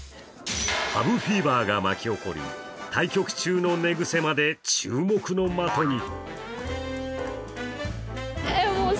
羽生フィーバーが巻き起こり対局中の寝癖まで注目の的に。